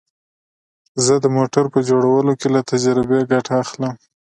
زه د موټرو په جوړولو کې له تجربې ګټه اخلم